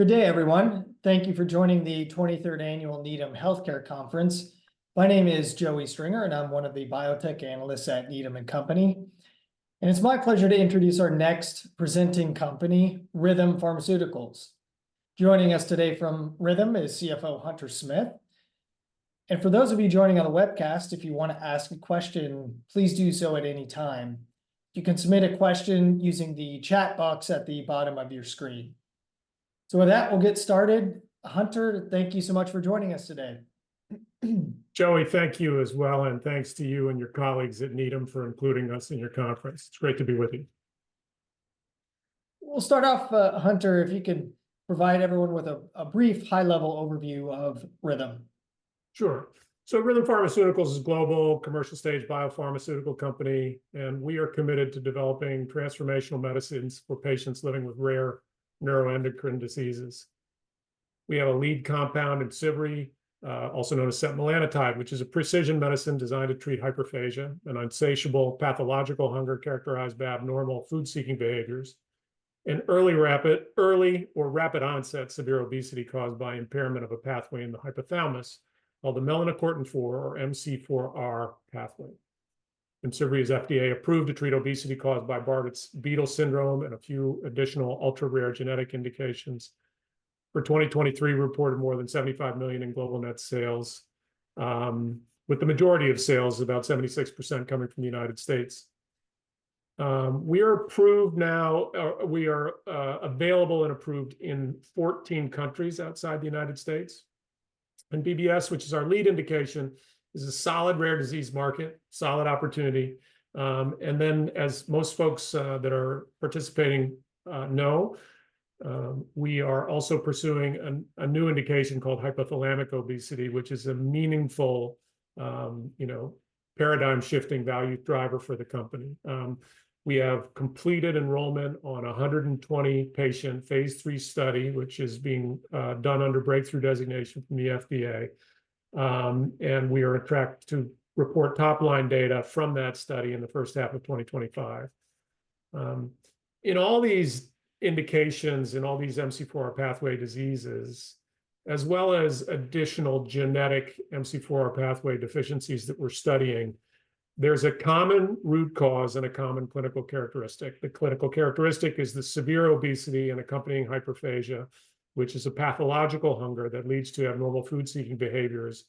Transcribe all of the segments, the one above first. Good day, everyone. Thank you for joining the 23rd Annual Needham Healthcare Conference. My name is Joey Stringer, and I'm one of the biotech analysts at Needham & Company, and it's my pleasure to introduce our next presenting company, Rhythm Pharmaceuticals. Joining us today from Rhythm is CFO Hunter Smith. For those of you joining on the webcast, if you wanna ask a question, please do so at any time. You can submit a question using the chat box at the bottom of your screen. With that, we'll get started. Hunter, thank you so much for joining us today. Joey, thank you as well, and thanks to you and your colleagues at Needham for including us in your conference. It's great to be with you. We'll start off, Hunter, if you could provide everyone with a brief high-level overview of Rhythm. Sure. So Rhythm Pharmaceuticals is a global commercial-stage biopharmaceutical company, and we are committed to developing transformational medicines for patients living with rare neuroendocrine diseases. We have a lead compound in IMCIVREE, also known as setmelanotide, which is a precision medicine designed to treat hyperphagia, an insatiable pathological hunger characterized by abnormal food-seeking behaviors, and early or rapid onset severe obesity caused by impairment of a pathway in the hypothalamus called the melanocortin 4, or MC4R, pathway. IMCIVREE is FDA approved to treat obesity caused by Bardet-Biedl syndrome and a few additional ultra-rare genetic indications. For 2023, we reported more than $75 million in global net sales, with the majority of sales, about 76%, coming from the United States. We are available and approved in 14 countries outside the United States. BBS, which is our lead indication, is a solid rare disease market, solid opportunity. Then, as most folks that are participating know, we are also pursuing a new indication called hypothalamic obesity, which is a meaningful, you know, paradigm-shifting value driver for the company. We have completed enrollment on 120-patient phase III study, which is being done under breakthrough designation from the FDA. And we are on track to report top-line data from that study in the first half of 2025. In all these indications, in all these MC4R pathway diseases, as well as additional genetic MC4R pathway deficiencies that we're studying, there's a common root cause and a common clinical characteristic. The clinical characteristic is the severe obesity and accompanying hyperphagia, which is a pathological hunger that leads to abnormal food-seeking behaviors,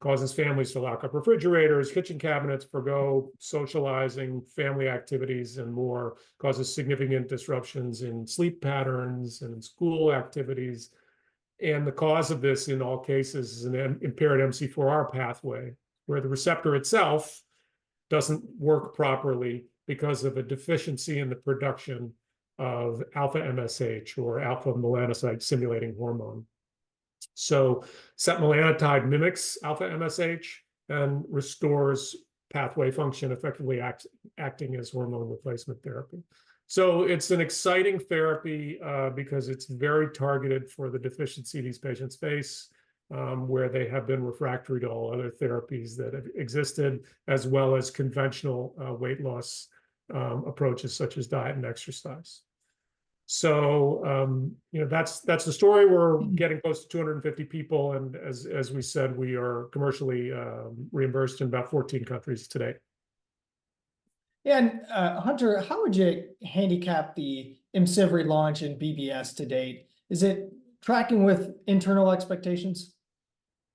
causes families to lock up refrigerators, kitchen cabinets, forgo socializing, family activities, and more. Causes significant disruptions in sleep patterns and in school activities. The cause of this, in all cases, is an impaired MC4R pathway, where the receptor itself doesn't work properly because of a deficiency in the production of alpha-MSH, or alpha melanocyte-stimulating hormone. Setmelanotide mimics alpha-MSH and restores pathway function, effectively acting as hormone replacement therapy. It's an exciting therapy because it's very targeted for the deficiency these patients face, where they have been refractory to all other therapies that have existed, as well as conventional weight loss approaches, such as diet and exercise. You know, that's, that's the story. We're getting close to 250 people, and as we said, we are commercially reimbursed in about 14 countries today. Yeah, and, Hunter, how would you handicap the IMCIVREE launch in BBS to date? Is it tracking with internal expectations?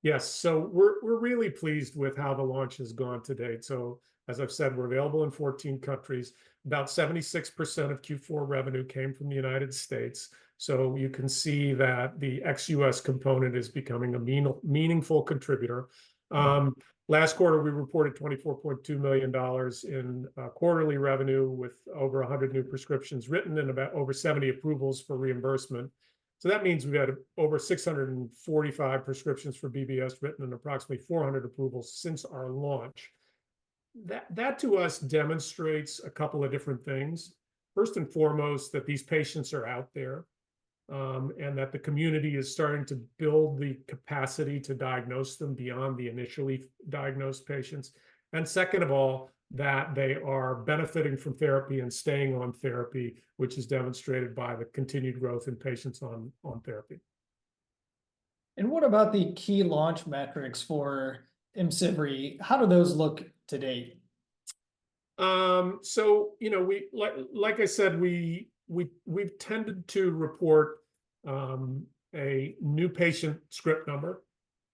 Yes. So we're, we're really pleased with how the launch has gone to date. So, as I've said, we're available in 14 countries. About 76% of Q4 revenue came from the United States, so you can see that the ex U.S. component is becoming a meaningful contributor. Last quarter, we reported $24.2 million in quarterly revenue, with over 100 new prescriptions written and about over 70 approvals for reimbursement. So that means we've had over 645 prescriptions for BBS written and approximately 400 approvals since our launch. That, that, to us, demonstrates a couple of different things. First and foremost, that these patients are out there, and that the community is starting to build the capacity to diagnose them beyond the initially diagnosed patients. Second of all, that they are benefiting from therapy and staying on therapy, which is demonstrated by the continued growth in patients on therapy. What about the key launch metrics for IMCIVREE? How do those look to date? So, you know, like I said, we've tended to report a new patient script number.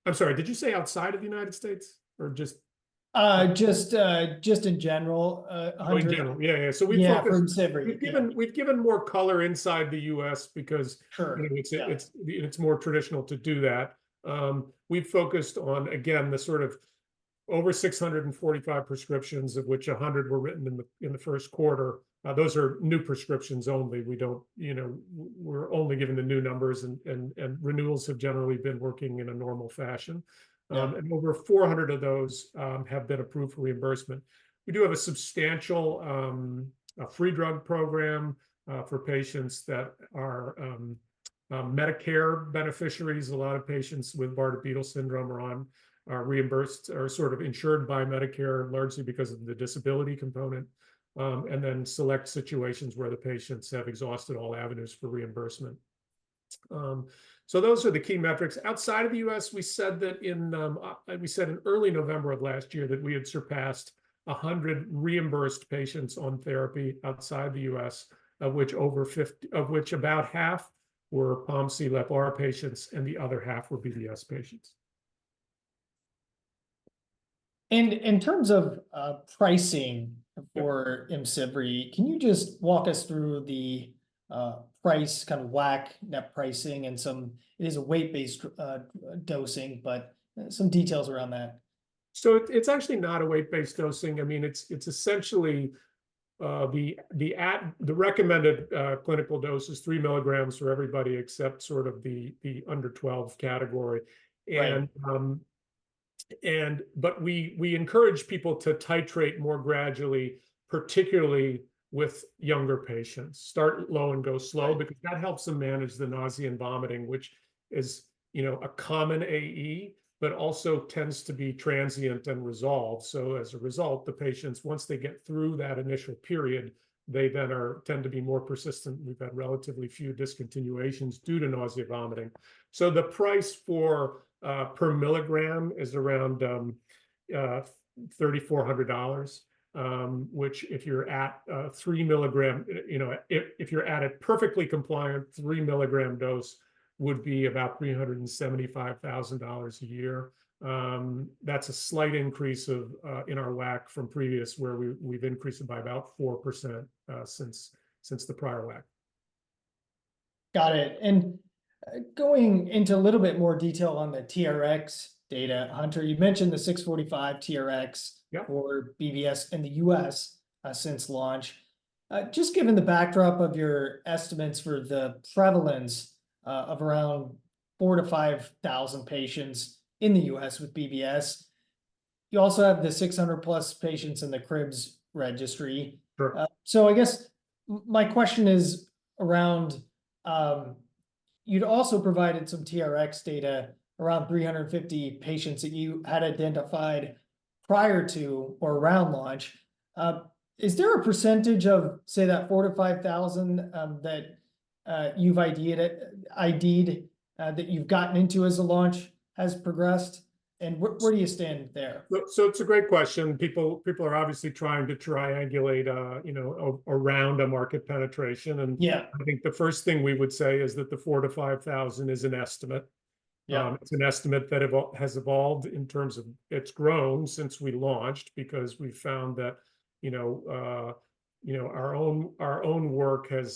I'm sorry, did you say outside of the United States or just- Just in general, Hunter. Oh, in general. Yeah, yeah, so we've focused- Yeah, for IMCIVREE. We've given more color inside the U.S. because- Sure... it's more traditional to do that. We've focused on, again, the sort of over 645 prescriptions, of which 100 were written in the first quarter. Those are new prescriptions only. We don't... You know, we're only given the new numbers, and renewals have generally been working in a normal fashion. Yeah. Over 400 of those have been approved for reimbursement. We do have a substantial free drug program for patients that are Medicare beneficiaries. A lot of patients with Bardet-Biedl syndrome are on, are reimbursed, or sort of insured by Medicare, largely because of the disability component, and then select situations where the patients have exhausted all avenues for reimbursement. Those are the key metrics. Outside of the U.S., we said in early November of last year that we had surpassed 100 reimbursed patients on therapy outside the U.S., of which about half were POMC/LEPR patients, and the other half were BBS patients. In terms of pricing for IMCIVREE, can you just walk us through the price, kind of WAC net pricing and some... It is a weight-based dosing, but some details around that. So it's actually not a weight-based dosing. I mean, it's essentially the recommended clinical dose is three milligrams for everybody, except sort of the under 12 category. Right. We encourage people to titrate more gradually, particularly with younger patients. Start low and go slow- Right... because that helps them manage the nausea and vomiting, which is, you know, a common AE, but also tends to be transient and resolve. So as a result, the patients, once they get through that initial period, they then tend to be more persistent. We've had relatively few discontinuations due to nausea, vomiting. So the price for per milligram is around $3,400, which if you're at three milligram, you know, if you're at a perfectly compliant three milligram dose, would be about $375,000 a year. That's a slight increase in our WAC from previous, where we've increased it by about 4%, since the prior WAC. Got it. And, going into a little bit more detail on the TRx data, Hunter, you mentioned the 645 TRx- Yep... for BBS in the U.S., since launch. Just given the backdrop of your estimates for the prevalence of around 4,000-5,000 patients in the U.S. with BBS, you also have the 600+ patients in the CRIBS Registry. Sure. So I guess my question is around, you'd also provided some TRx data, around 350 patients that you had identified prior to or around launch. Is there a percentage of, say, that 4,000-5,000, that you've identified that you've gotten into as the launch has progressed? And where do you stand there? Look, so it's a great question. People, people are obviously trying to triangulate, you know, around a market penetration, and- Yeah... I think the first thing we would say is that the 4,000-5,000 is an estimate. Yeah. It's an estimate that has evolved in terms of... It's grown since we launched because we've found that, you know, you know, our own work and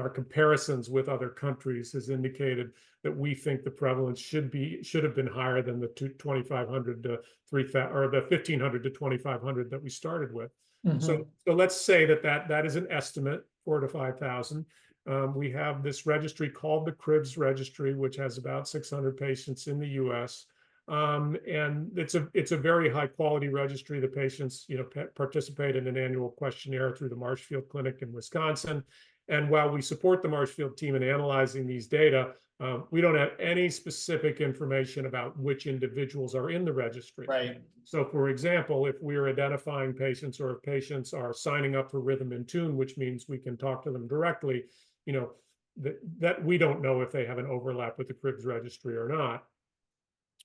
our comparisons with other countries has indicated that we think the prevalence should have been higher than the 2,500-3,000 or the 1,500-2,500 that we started with. Mm-hmm. So, let's say that is an estimate, 4,000-5,000. We have this registry called the CRIBS Registry, which has about 600 patients in the U.S. And it's a very high-quality registry. The patients, you know, participate in an annual questionnaire through the Marshfield Clinic in Wisconsin. While we support the Marshfield team in analyzing these data, we don't have any specific information about which individuals are in the registry. Right. So, for example, if we're identifying patients or if patients are signing up for Rhythm InTune, which means we can talk to them directly, you know, that we don't know if they have an overlap with the CRIBS Registry or not,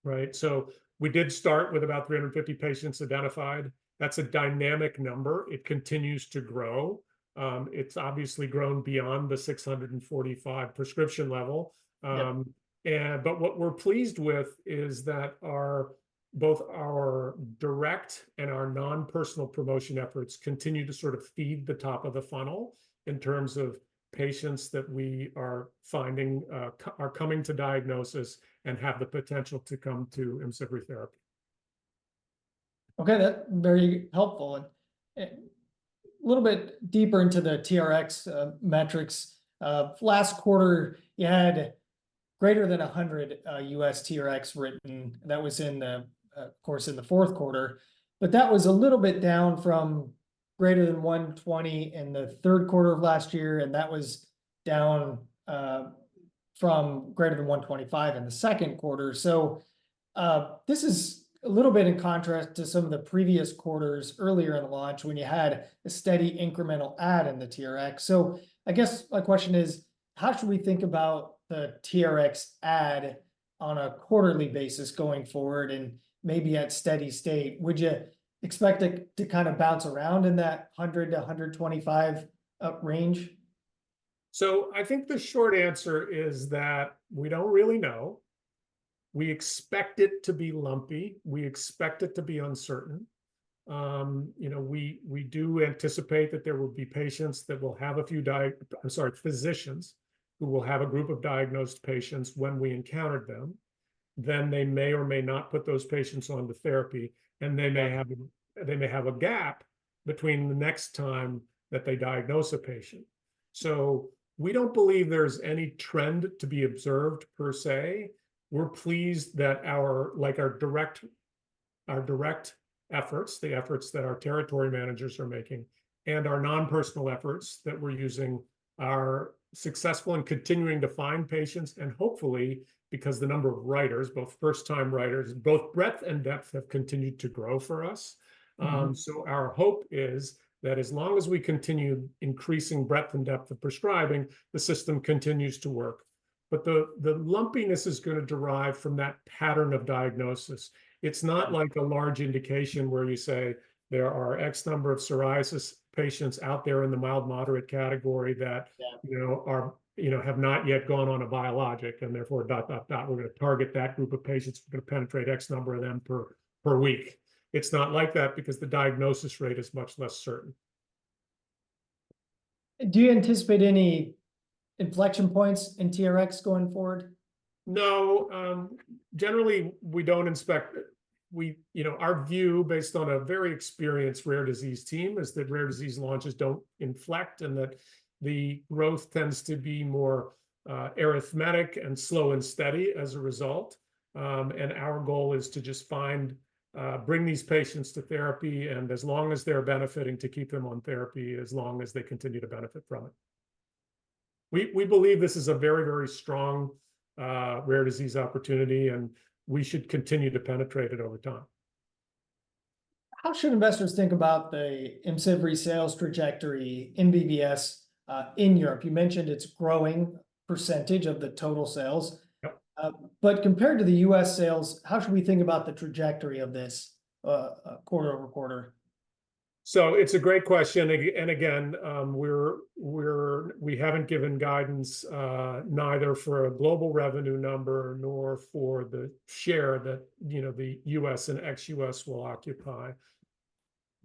right? So we did start with about 350 patients identified. That's a dynamic number. It continues to grow. It's obviously grown beyond the 645 prescription level. Yep. But what we're pleased with is that our both our direct and our non-personal promotion efforts continue to sort of feed the top of the funnel in terms of patients that we are finding, are coming to diagnosis and have the potential to come to IMCIVREE therapy. Okay, that's very helpful. And a little bit deeper into the TRx metrics, last quarter, you had greater than 100 U.S. TRx written. That was in the fourth quarter, of course. But that was a little bit down from greater than 120 in the third quarter of last year, and that was down from greater than 125 in the second quarter. So, this is a little bit in contrast to some of the previous quarters earlier in the launch when you had a steady incremental add in the TRx. So I guess my question is, how should we think about the TRx add on a quarterly basis going forward and maybe at steady state? Would you expect it to kind of bounce around in that 100-125 range? So I think the short answer is that we don't really know. We expect it to be lumpy. We expect it to be uncertain. You know, we do anticipate that there will be physicians who will have a group of diagnosed patients when we encountered them, then they may or may not put those patients onto therapy, and they may have, they may have a gap between the next time that they diagnose a patient. So we don't believe there's any trend to be observed per se. We're pleased that our like, our direct, our direct efforts, the efforts that our territory managers are making, and our non-personal efforts that we're using are successful in continuing to find patients, and hopefully, because the number of writers, both first-time writers, both breadth and depth have continued to grow for us. Mm-hmm. So our hope is that as long as we continue increasing breadth and depth of prescribing, the system continues to work.... but the lumpiness is gonna derive from that pattern of diagnosis. It's not like a large indication where you say, "There are X number of psoriasis patients out there in the mild-moderate category that- Yeah... you know, have not yet gone on a biologic, and therefore,..., we're gonna target that group of patients. We're gonna penetrate X number of them per week." It's not like that because the diagnosis rate is much less certain. Do you anticipate any inflection points in TRx going forward? No, generally, we don't inspect it. We, you know, our view, based on a very experienced rare disease team, is that rare disease launches don't inflect, and that the growth tends to be more, arithmetic and slow and steady as a result. And our goal is to just find, bring these patients to therapy, and as long as they're benefiting, to keep them on therapy, as long as they continue to benefit from it. We believe this is a very, very strong, rare disease opportunity, and we should continue to penetrate it over time. How should investors think about the IMCIVREE sales trajectory in BBS, in Europe? You mentioned it's growing percentage of the total sales. Yep. Compared to the U.S. sales, how should we think about the trajectory of this, quarter-over-quarter? So it's a great question. And again, we're. We haven't given guidance, neither for a global revenue number nor for the share that, you know, the U.S. and ex-U.S. will occupy.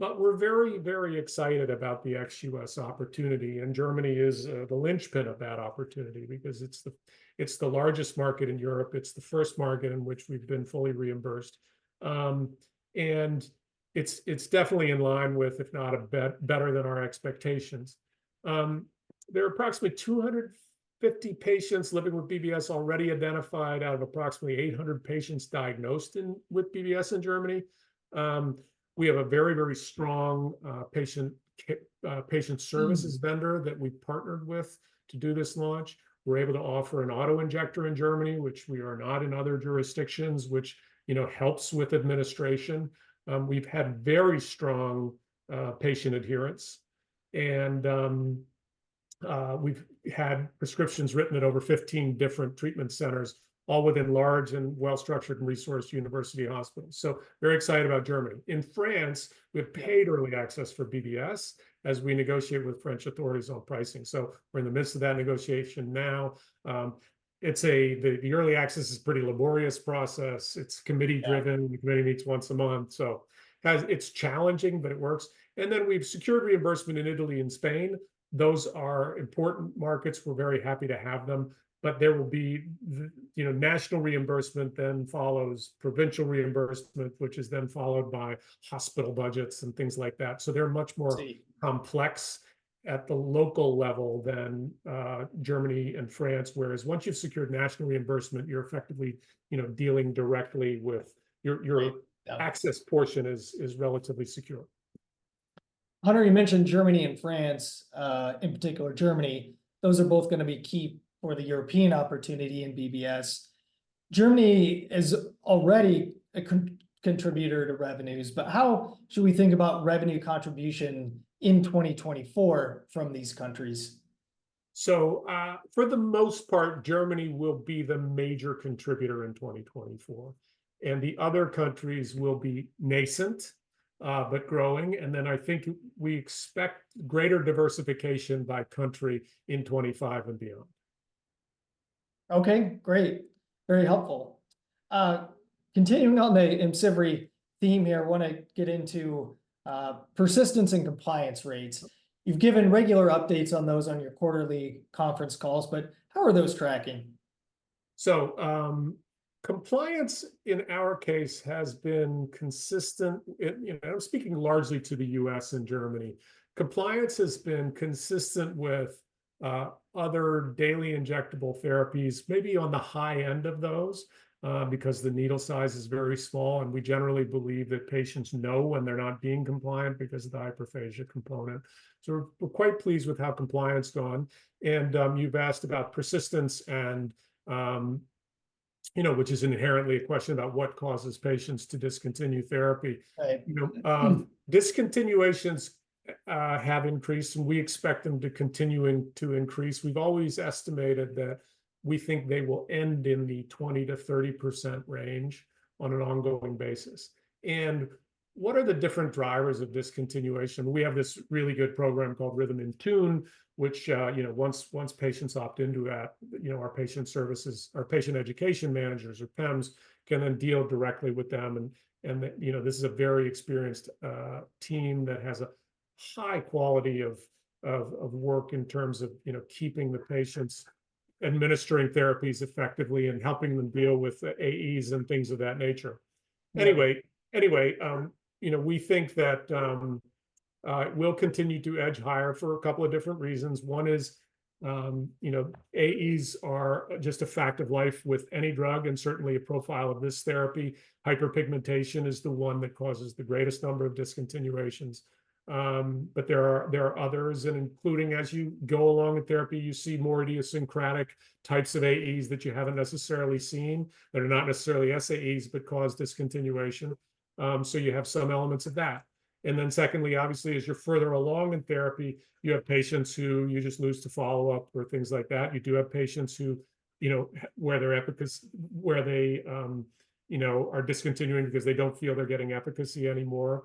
But we're very, very excited about the ex-U.S. opportunity, and Germany is the linchpin of that opportunity because it's the largest market in Europe. It's the first market in which we've been fully reimbursed. And it's definitely in line with, if not better than our expectations. There are approximately 250 patients living with BBS already identified, out of approximately 800 patients diagnosed with BBS in Germany. We have a very, very strong patient. Mm... services vendor that we've partnered with to do this launch. We're able to offer an auto-injector in Germany, which we are not in other jurisdictions, which, you know, helps with administration. We've had very strong patient adherence, and we've had prescriptions written at over 15 different treatment centers, all within large and well-structured and resourced university hospitals, so very excited about Germany. In France, we have paid early access for BBS, as we negotiate with French authorities on pricing. So we're in the midst of that negotiation now. The early access is a pretty laborious process. It's committee-driven. Yeah. The committee meets once a month. It's challenging, but it works. And then we've secured reimbursement in Italy and Spain. Those are important markets. We're very happy to have them, but there will be the, you know, national reimbursement then follows provincial reimbursement, which is then followed by hospital budgets and things like that. So they're much more- I see... complex at the local level than, Germany and France, whereas once you've secured national reimbursement, you're effectively, you know, dealing directly with... Your, your- Yeah... access portion is relatively secure. Hunter, you mentioned Germany and France, in particular Germany. Those are both gonna be key for the European opportunity in BBS. Germany is already a contributor to revenues, but how should we think about revenue contribution in 2024 from these countries? For the most part, Germany will be the major contributor in 2024, and the other countries will be nascent, but growing. Then I think we expect greater diversification by country in 2025 and beyond. Okay, great. Very helpful. Continuing on the IMCIVREE theme here, I wanna get into persistence and compliance rates. You've given regular updates on those on your quarterly conference calls, but how are those tracking? So, compliance, in our case, has been consistent. You know, speaking largely to the U.S. and Germany, compliance has been consistent with other daily injectable therapies, maybe on the high end of those, because the needle size is very small, and we generally believe that patients know when they're not being compliant because of the hyperphagia component. So we're quite pleased with how compliance gone. And you've asked about persistence, and you know, which is inherently a question about what causes patients to discontinue therapy. Right. Mm. You know, discontinuations have increased, and we expect them to continue to increase. We've always estimated that we think they will end in the 20%-30% range on an ongoing basis. And what are the different drivers of discontinuation? We have this really good program called Rhythm InTune, which, you know, once patients opt into that, you know, our patient services, our patient education managers, or PEMs, can then deal directly with them, and you know, this is a very experienced team that has a high quality of work in terms of, you know, keeping the patients administering therapies effectively and helping them deal with the AEs and things of that nature. Yeah. Anyway, you know, we think that, we'll continue to edge higher for a couple of different reasons. One is, you know, AEs are just a fact of life with any drug, and certainly a profile of this therapy. Hyperpigmentation is the one that causes the greatest number of discontinuations. But there are others, including, as you go along in therapy, you see more idiosyncratic types of AEs that you haven't necessarily seen, that are not necessarily SAEs, but cause discontinuation. So you have some elements of that... and then secondly, obviously, as you're further along in therapy, you have patients who you just lose to follow-up or things like that. You do have patients who, you know, where they, you know, are discontinuing because they don't feel they're getting efficacy anymore.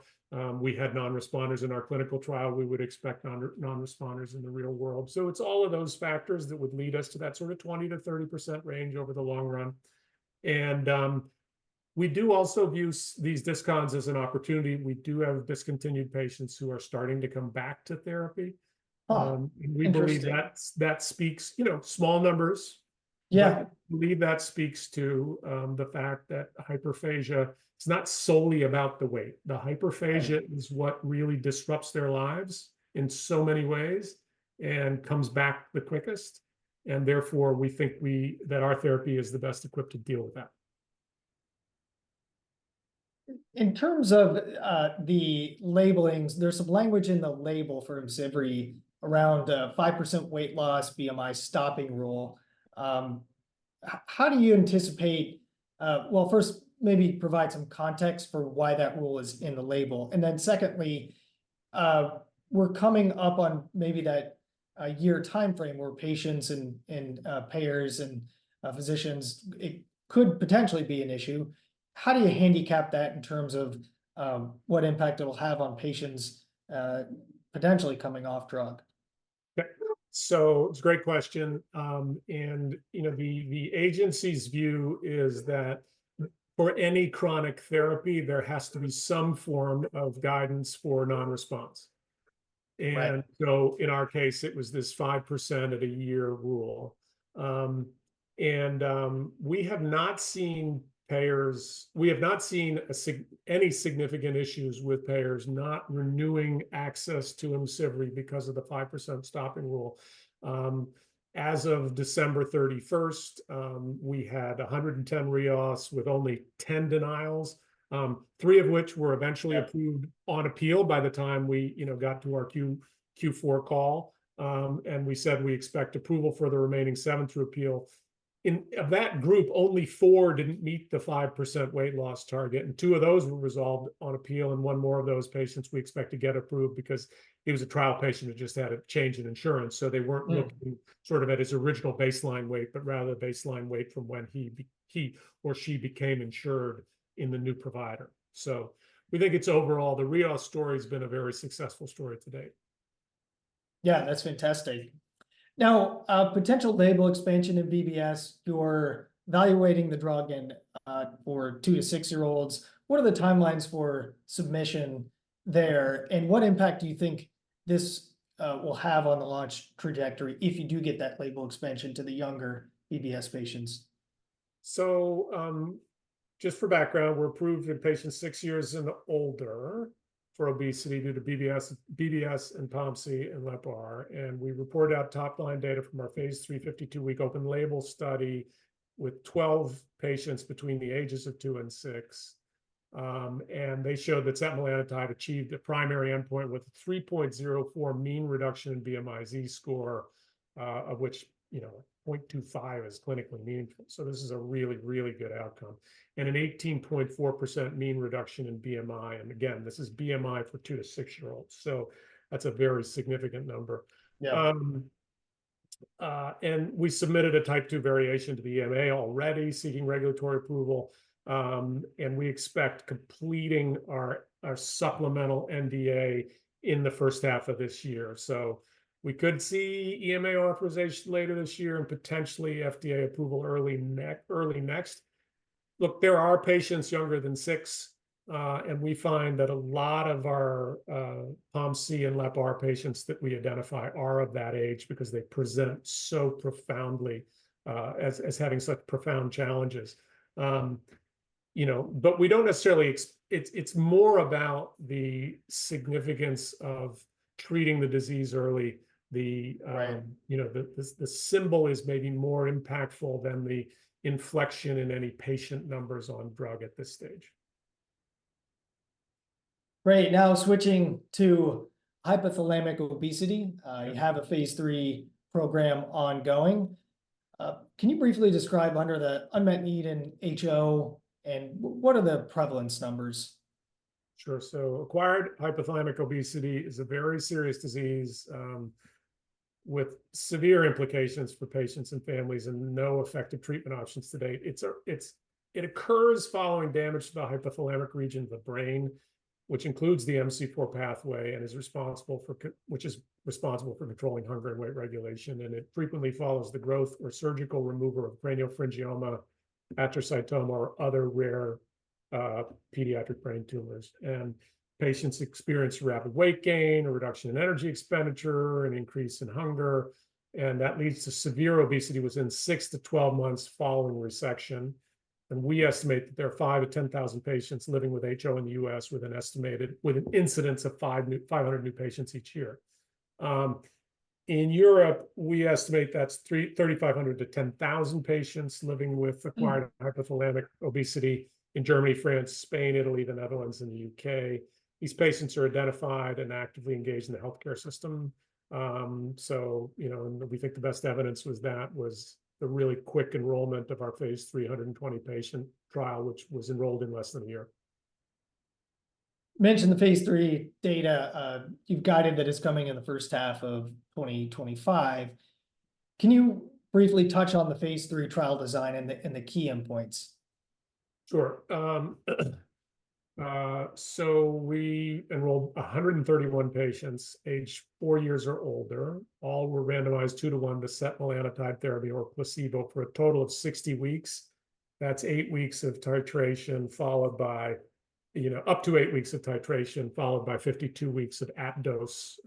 We had non-responders in our clinical trial. We would expect non-responders in the real world. So it's all of those factors that would lead us to that sort of 20%-30% range over the long run. And we do also view these discons as an opportunity. We do have discontinued patients who are starting to come back to therapy. Oh, interesting. We believe that's, that speaks... You know, small numbers- Yeah ... but believe that speaks to the fact that hyperphagia, it's not solely about the weight. Right. The hyperphagia is what really disrupts their lives in so many ways, and comes back the quickest, and therefore, we think that our therapy is the best equipped to deal with that. In terms of the labeling, there's some language in the label for IMCIVREE around 5% weight loss, BMI stopping rule. How do you anticipate... Well, first, maybe provide some context for why that rule is in the label, and then secondly, we're coming up on maybe that, a year timeframe where patients, and payers, and physicians, it could potentially be an issue. How do you handicap that in terms of what impact it'll have on patients, potentially coming off drug? Yeah, so it's a great question. And, you know, the agency's view is that for any chronic therapy, there has to be some form of guidance for non-response. Right. And so in our case, it was this 5%-a-year rule. And we have not seen payers. We have not seen any significant issues with payers not renewing access to IMCIVREE because of the 5% stopping rule. As of December 31st, we had 110 REOs with only 10 denials, three of which were eventually- Yeah... approved on appeal by the time we, you know, got to our Q4 call. And we said we expect approval for the remaining seven through appeal. One of that group, only four didn't meet the 5% weight loss target, and two of those were resolved on appeal, and one more of those patients we expect to get approved because he was a trial patient who just had a change in insurance. Hmm. So they weren't looking sort of at his original baseline weight, but rather baseline weight from when he or she became insured in the new provider. So we think it's overall, the REO's story's been a very successful story to date. Yeah, that's fantastic. Now, potential label expansion in BBS, you're evaluating the drug in for two to six year-olds. What are the timelines for submission there, and what impact do you think this will have on the launch trajectory if you do get that label expansion to the younger BBS patients? So, just for background, we're approved in patients 6 years and older for obesity due to BBS, BBS, and POMC, and LEPR. We reported out top-line data from our phase III 52-week open label study with 12 patients between the ages of two and six. They showed that setmelanotide achieved a primary endpoint with 3.04 mean reduction in BMI-Z score, of which, you know, 0.25 is clinically meaningful, so this is a really, really good outcome. An 18.4% mean reduction in BMI, and again, this is BMI for two to six year-olds, so that's a very significant number. Yeah. and we submitted a Type 2 variation to the EMA already, seeking regulatory approval. and we expect completing our supplemental NDA in the first half of this year. So we could see EMA authorization later this year, and potentially FDA approval early next. Look, there are patients younger than six, and we find that a lot of our POMC and LEPR patients that we identify are of that age because they present so profoundly, as having such profound challenges. You know, but we don't necessarily. It's more about the significance of treating the disease early. The Right... you know, the symbol is maybe more impactful than the inflection in any patient numbers on drug at this stage. Great. Now switching to hypothalamic obesity. Yeah. You have a phase III program ongoing. Can you briefly describe the unmet need in HO, and what are the prevalence numbers? Sure. So acquired hypothalamic obesity is a very serious disease, with severe implications for patients and families, and no effective treatment options to date. It occurs following damage to the hypothalamic region of the brain, which includes the MC4 pathway, which is responsible for controlling hunger and weight regulation. And it frequently follows the growth or surgical removal of craniopharyngioma, astrocytoma, or other rare, pediatric brain tumors. And patients experience rapid weight gain, a reduction in energy expenditure, an increase in hunger, and that leads to severe obesity within six to 12 months following resection. And we estimate that there are 5,000-10,000 patients living with HO in the U.S., with an estimated- with an incidence of 500 new patients each year. In Europe, we estimate that's 3,500-10,000 patients living with- Hmm... acquired hypothalamic obesity in Germany, France, Spain, Italy, the Netherlands, and the UK. These patients are identified and actively engaged in the healthcare system. So, you know, and we think the best evidence was that the really quick enrollment of our phase III 120-patient trial, which was enrolled in less than a year.... mentioned the phase III data, you've guided that it's coming in the first half of 2025. Can you briefly touch on the phase III trial design and the key endpoints? Sure. So we enrolled 131 patients, age four years or older. All were randomized 2-to-1 to setmelanotide therapy or placebo for a total of 60 weeks. That's eight weeks of titration followed by, you know, up to eight weeks of titration, followed by 52 weeks of at-dose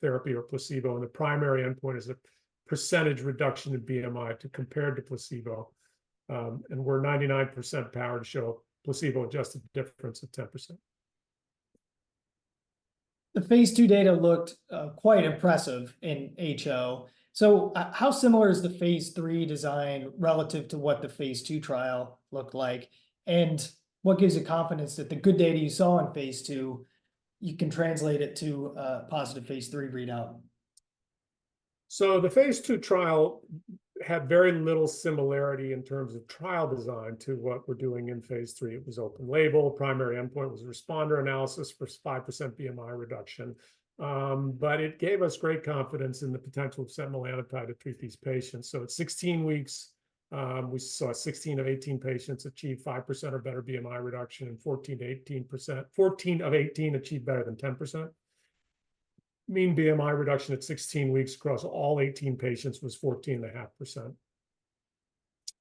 therapy or placebo, and the primary endpoint is a percentage reduction in BMI compared to placebo. And we're 99% powered to show placebo-adjusted difference of 10%. The phase II data looked quite impressive in HO. So, how similar is the phase III design relative to what the phase II trial looked like? And what gives you confidence that the good data you saw in phase II, you can translate it to a positive phase III readout? So the phase II trial had very little similarity in terms of trial design to what we're doing in phase III. It was open label, primary endpoint was responder analysis for 5% BMI reduction. But it gave us great confidence in the potential of setmelanotide to treat these patients. So at 16 weeks, we saw 16 of 18 patients achieve 5% or better BMI reduction, and 14 to 18%, 14 of 18 achieved better than 10%. Mean BMI reduction at 16 weeks across all 18 patients was 14.5%.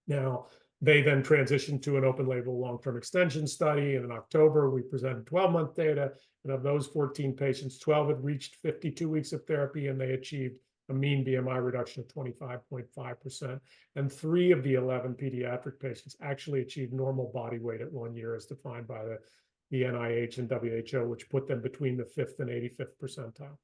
Now, they then transitioned to an open label long-term extension study, and in October, we presented 12-month data, and of those 14 patients, 12 had reached 52 weeks of therapy, and they achieved a mean BMI reduction of 25.5%, and three of the 11 pediatric patients actually achieved normal body weight at one year, as defined by the NIH and WHO, which put them between the 5th and 85th percentile.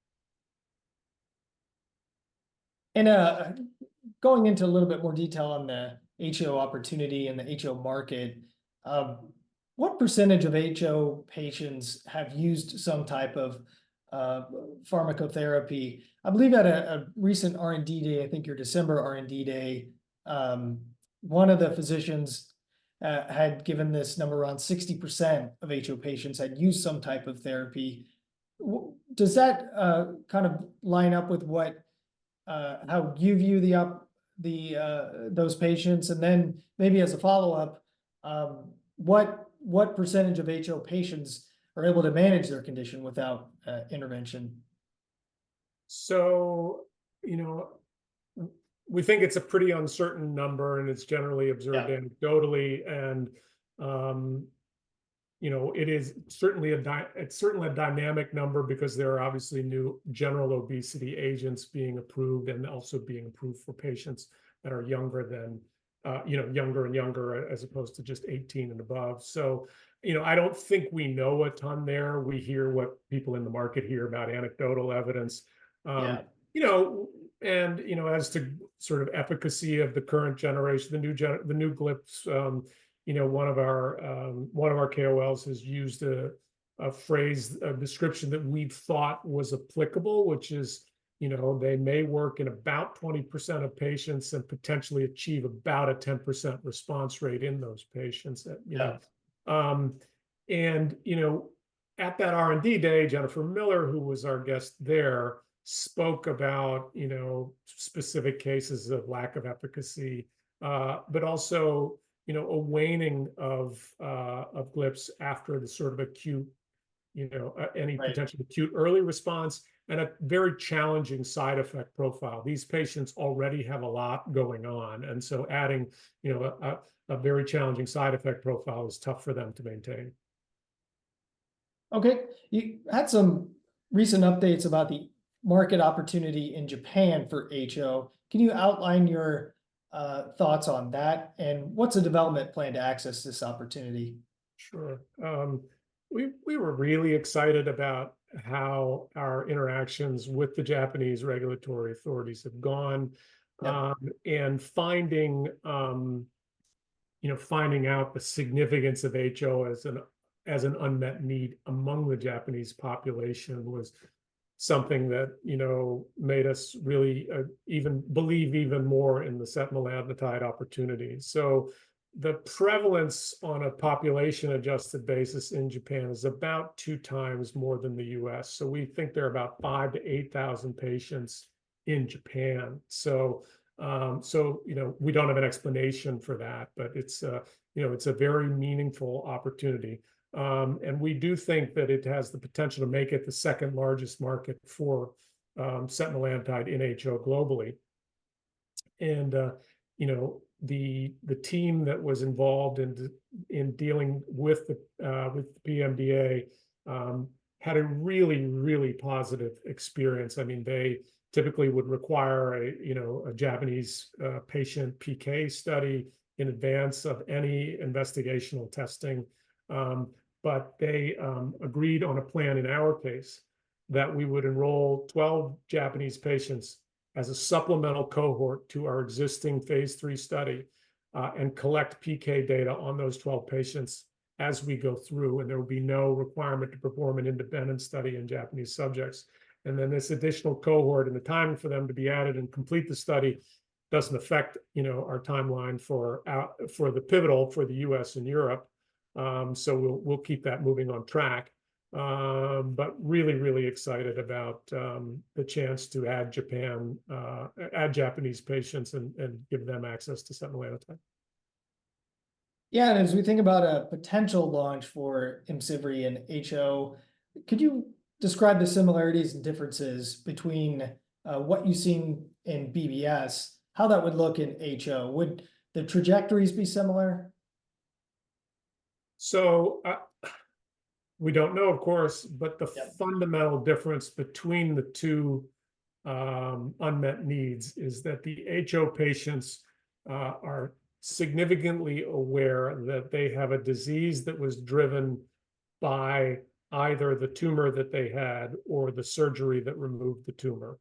Going into a little bit more detail on the HO opportunity and the HO market, what percentage of HO patients have used some type of pharmacotherapy? I believe at a recent R&D day, I think your December R&D day, one of the physicians had given this number around 60% of HO patients had used some type of therapy. Does that kind of line up with what... how you view the up, the, those patients? And then maybe as a follow-up, what percentage of HO patients are able to manage their condition without intervention? So, you know, we think it's a pretty uncertain number, and it's generally observed- Yeah... anecdotally, and, you know, it is certainly a dynamic number because there are obviously new general obesity agents being approved and also being approved for patients that are younger than, you know, younger and younger, as opposed to just 18 and above. So, you know, I don't think we know a ton there. We hear what people in the market hear about anecdotal evidence. Yeah... you know, and you know, as to sort of efficacy of the current generation, the new GLP's, you know, one of our KOLs has used a phrase, a description that we've thought was applicable, which is, you know, they may work in about 20% of patients and potentially achieve about a 10% response rate in those patients that, you know- Yeah... and, you know, at that R&D day, Jennifer Miller, who was our guest there, spoke about, you know, specific cases of lack of efficacy, but also, you know, a waning of GLP's after the sort of acute, you know- Right... any potential acute early response, and a very challenging side effect profile. These patients already have a lot going on, and so adding, you know, a very challenging side effect profile is tough for them to maintain. Okay. You had some recent updates about the market opportunity in Japan for HO. Can you outline your thoughts on that, and what's the development plan to access this opportunity? Sure. We were really excited about how our interactions with the Japanese regulatory authorities have gone. Yeah. And finding out the significance of HO as an unmet need among the Japanese population was something that, you know, made us really believe even more in the setmelanotide opportunity. So the prevalence on a population-adjusted basis in Japan is about 2x more than the U.S., so we think there are about 5,000-8,000 patients in Japan. So, so, you know, we don't have an explanation for that, but it's, you know, it's a very meaningful opportunity. And we do think that it has the potential to make it the second-largest market for setmelanotide in HO globally. And, you know, the team that was involved in dealing with the PMDA had a really, really positive experience. I mean, they typically would require a, you know, a Japanese patient PK study in advance of any investigational testing. But they agreed on a plan in our case that we would enroll 12 Japanese patients as a supplemental cohort to our existing phase III study, and collect PK data on those 12 patients as we go through, and there would be no requirement to perform an independent study in Japanese subjects. And then this additional cohort and the time for them to be added and complete the study doesn't affect, you know, our timeline for out, for the pivotal, for the U.S. and Europe. So we'll keep that moving on track... but really, really excited about the chance to add Japan, add Japanese patients and give them access to setmelanotide. Yeah, and as we think about a potential launch for IMCIVREE and HO, could you describe the similarities and differences between what you've seen in BBS, how that would look in HO? Would the trajectories be similar? We don't know, of course. Yeah. But the fundamental difference between the two unmet needs is that the HO patients are significantly aware that they have a disease that was driven by either the tumor that they had or the surgery that removed the tumor.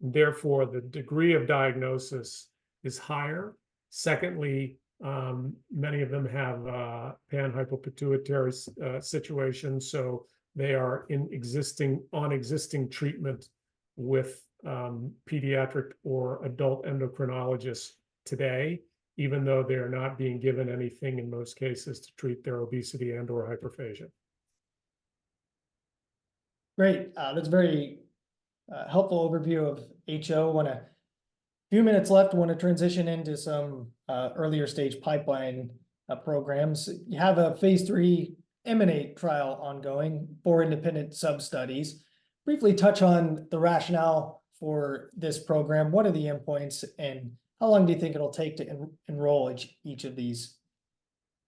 Therefore, the degree of diagnosis is higher. Secondly, many of them have panhypopituitarism, so they are on existing treatment with pediatric or adult endocrinologists today, even though they are not being given anything in most cases to treat their obesity and/or hyperphagia. Great. That's a very helpful overview of HO. Few minutes left, I wanna transition into some earlier stage pipeline programs. You have a phase III EMANATE trial ongoing, four independent sub-studies. Briefly touch on the rationale for this program. What are the endpoints, and how long do you think it'll take to enroll each of these?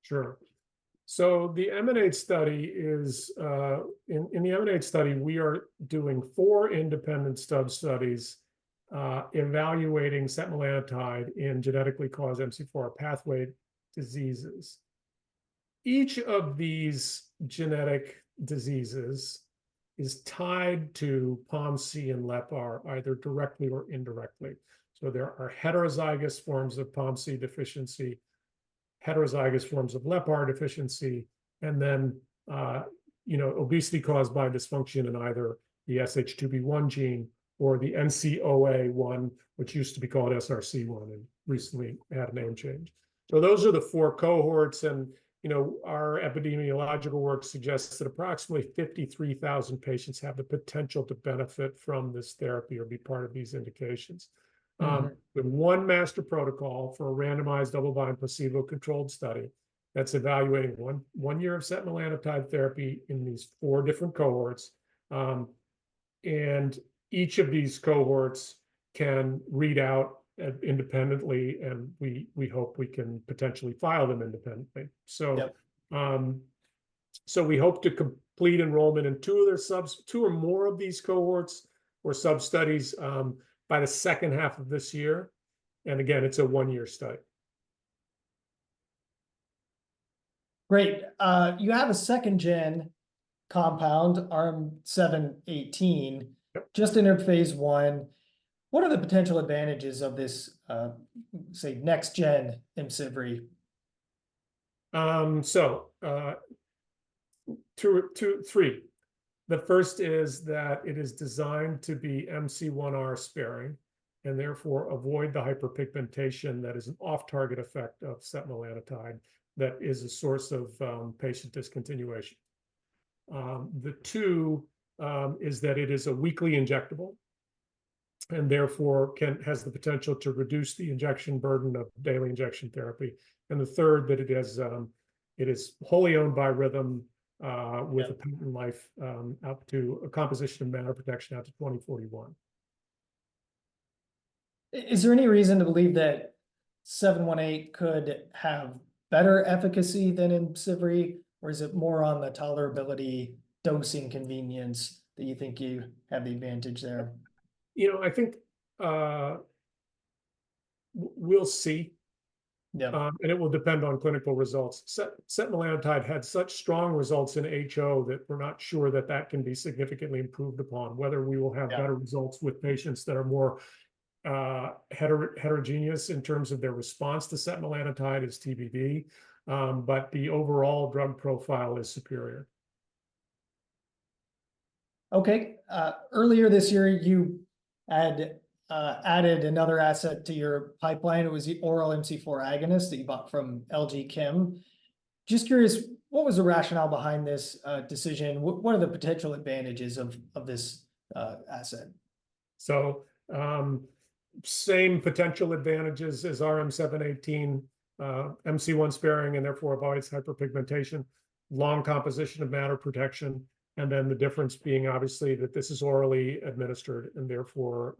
Sure. So the EMANATE study is... In, in the EMANATE study, we are doing four independent sub-studies, evaluating setmelanotide in genetically caused MC4R pathway diseases. Each of these genetic diseases is tied to POMC and LEPR, either directly or indirectly. So there are heterozygous forms of POMC deficiency, heterozygous forms of LEPR deficiency, and then, you know, obesity caused by dysfunction in either the SH2B1 gene or the NCOA1, which used to be called SRC1 and recently had a name change. So those are the four cohorts, and, you know, our epidemiological work suggests that approximately 53,000 patients have the potential to benefit from this therapy or be part of these indications. Mm-hmm. With one master protocol for a randomized double-blind, placebo-controlled study, that's evaluating one year of setmelanotide therapy in these four different cohorts. And each of these cohorts can read out independently, and we hope we can potentially file them independently. Yeah. So, we hope to complete enrollment in two or more of these cohorts or sub-studies by the second half of this year. And again, it's a one-year study. Great. You have a second-gen compound, RM-718- Yep... just entered phase I. What are the potential advantages of this, say, next gen IMCIVREE? The first is that it is designed to be MC1R sparing, and therefore avoid the hyperpigmentation that is an off-target effect of setmelanotide that is a source of patient discontinuation. The second is that it is a weekly injectable, and therefore has the potential to reduce the injection burden of daily injection therapy. And the third, that it is wholly owned by Rhythm. Yeah... with a patent life, up to a composition of matter protection out to 2041. Is there any reason to believe that 718 could have better efficacy than IMCIVREE, or is it more on the tolerability, dosing convenience, that you think you have the advantage there? You know, I think, we'll see. Yeah. And it will depend on clinical results. Setmelanotide had such strong results in HO that we're not sure that that can be significantly improved upon. Whether we will have- Yeah... better results with patients that are more heterogeneous in terms of their response to setmelanotide is TBD, but the overall drug profile is superior. Okay. Earlier this year, you had added another asset to your pipeline. It was the oral MC4 agonist that you bought from LG Chem. Just curious, what was the rationale behind this decision? What, what are the potential advantages of, of this asset? So, same potential advantages as RM-718, MC1R sparing, and therefore avoids hyperpigmentation, long composition of matter protection. And then the difference being obviously that this is orally administered, and therefore,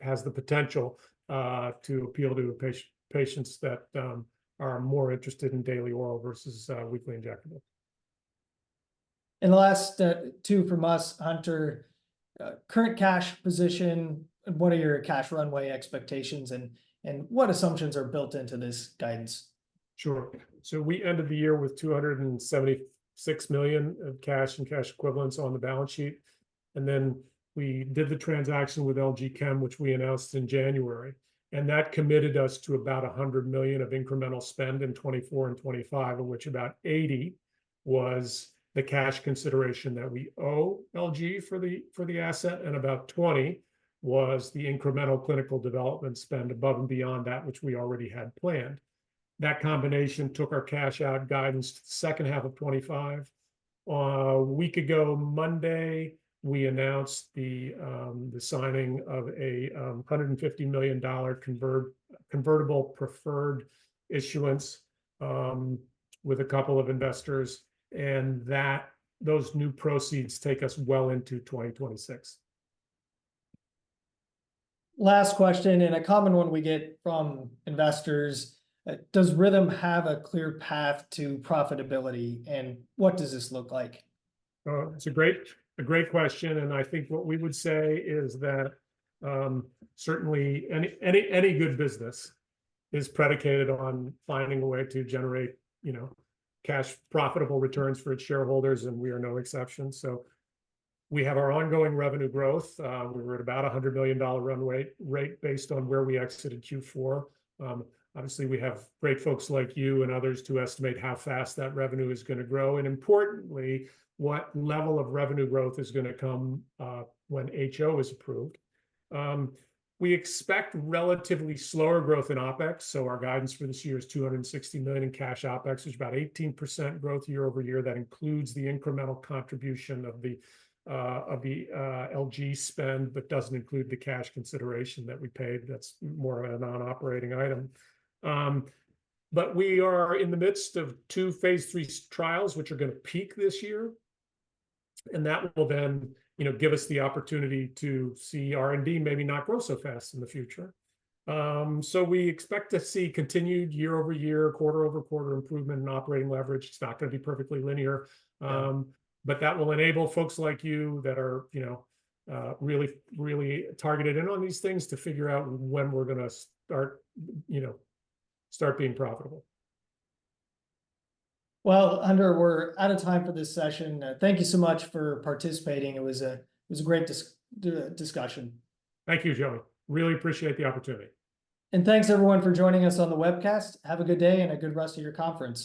has the potential to appeal to the patients that are more interested in daily oral versus weekly injectable. The last two from us, Hunter. Current cash position, and what are your cash runway expectations, and what assumptions are built into this guidance? Sure. So we ended the year with $276 million of cash and cash equivalents on the balance sheet, and then we did the transaction with LG Chem, which we announced in January, and that committed us to about $100 million of incremental spend in 2024 and 2025, of which about $80 million was the cash consideration that we owe LG for the asset, and about $20 million was the incremental clinical development spend above and beyond that which we already had planned. That combination took our cash out guidance to the second half of 2025. A week ago Monday, we announced the signing of a $150 million convertible preferred issuance with a couple of investors, and those new proceeds take us well into 2026. Last question, and a common one we get from investors, does Rhythm have a clear path to profitability, and what does this look like? That's a great question, and I think what we would say is that, certainly any good business is predicated on finding a way to generate, you know, cash profitable returns for its shareholders, and we are no exception. So we have our ongoing revenue growth. We're at about $100 million runway rate based on where we exited Q4. Obviously, we have great folks like you and others to estimate how fast that revenue is gonna grow, and importantly, what level of revenue growth is gonna come when HO is approved. We expect relatively slower growth in OpEx, so our guidance for this year is $260 million in cash OpEx, which is about 18% growth year-over-year. That includes the incremental contribution of the LG spend, but doesn't include the cash consideration that we paid. That's more of a non-operating item. But we are in the midst of two phase III trials, which are gonna peak this year, and that will then, you know, give us the opportunity to see R&D maybe not grow so fast in the future. So we expect to see continued year-over-year, quarter-over-quarter improvement in operating leverage. It's not gonna be perfectly linear. But that will enable folks like you that are, you know, really, really targeted in on these things to figure out when we're gonna start, you know, start being profitable. Well, Hunter, we're out of time for this session. Thank you so much for participating. It was a great discussion. Thank you, Joey. Really appreciate the opportunity. Thanks, everyone, for joining us on the webcast. Have a good day, and a good rest of your conference.